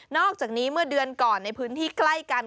อกจากนี้เมื่อเดือนก่อนในพื้นที่ใกล้กัน